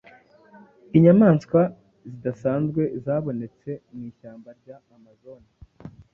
inyamaswa zidasanzwe zabonetse mu ishyamba rya amazon